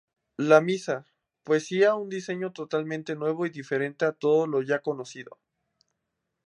La misma, poseía un diseño totalmente nuevo y diferente a todo lo ya conocido.